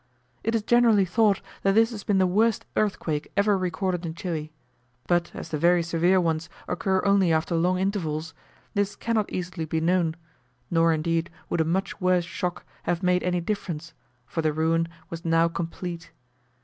It is generally thought that this has been the worst earthquake ever recorded in Chile; but as the very severe ones occur only after long intervals, this cannot easily be known; nor indeed would a much worse shock have made any difference, for the ruin was now complete.